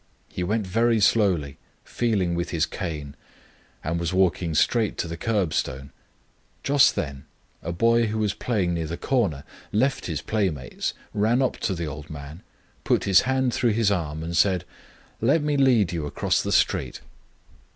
He went very slowly, feeling with his cane, and was walking straight to the curbstone. Just then a boy who was playing near the corner left his playmates, ran up to the old man, put his hand through his arm and said, 'Let me lead you across the street.'